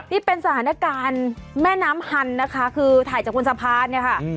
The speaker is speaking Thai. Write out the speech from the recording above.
นี่เป็นสถานการณ์แม่น้ำฮันนะคะคือถ่ายจากบนสะพานเนี่ยค่ะ